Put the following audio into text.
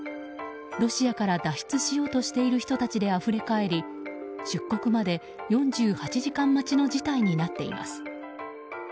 ロシアから脱出しようとしている人たちであふれかえり出国まで４８時間待ちの事態になっています。